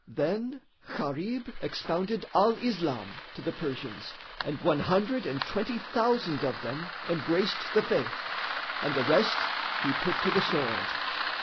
Then Gharib expounded Al Islam to the Persians and one hundred and twenty thousand of them embraced The Faith, and the rest he put to the sword.